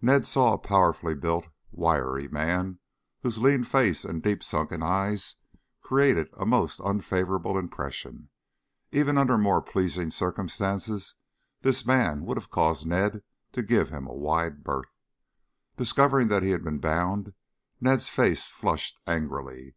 Ned saw a powerfully built, wiry man, whose lean face and deep sunken eyes created a most unfavorable impression. Even under more pleasing circumstances this man would have caused Ned to give him a wide berth. Discovering that he had been bound Ned's face flushed angrily.